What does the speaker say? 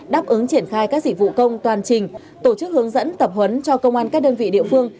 đáp ứng triển khai các dịch vụ công toàn trình tổ chức hướng dẫn tập huấn cho công an các đơn vị địa phương